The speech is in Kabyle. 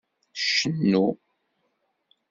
Tcennu.